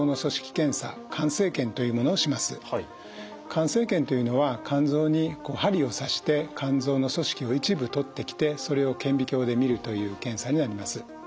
肝生検というのは肝臓に針を刺して肝臓の組織を一部とってきてそれを顕微鏡で見るという検査になります。